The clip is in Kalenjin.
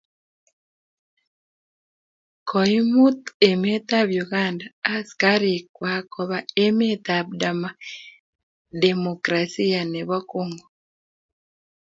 koimut emetab Uganda askarikwach koba emetab demokrasia nebo kongo